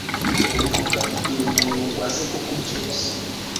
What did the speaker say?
Ntukanabwire umuntu ngo aze kukubyutsa